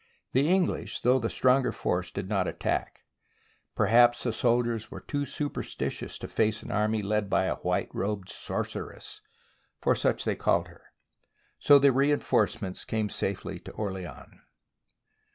The English, though the stronger force, did not attack; perhaps the soldiers were too superstitious to face an army led by a white robed " sorceress," for such they called her. So the reinforcements came safely to Orleans.